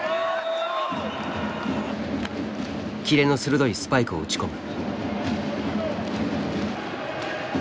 切れの鋭いスパイクを打ち込む。